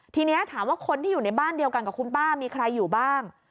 ทีนี้ถามว่าคนที่อยู่ในบ้านเดียวกันกับคุณป้ามีใครอยู่บ้าง